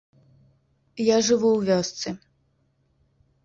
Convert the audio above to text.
Я жыву ў вёсцы.